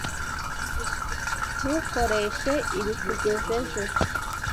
Ntukoreshe ibi kugeza ejo.